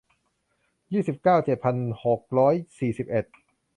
ยี่สิบเก้า เจ็ดพันหกร้อยสี่สิบเอ็ด